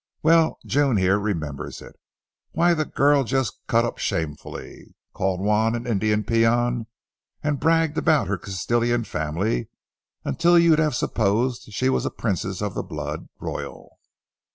Well, June here remembers it. Why, the girl just cut up shamefully. Called Juan an Indian peon, and bragged about her Castilian family until you'd have supposed she was a princess of the blood royal.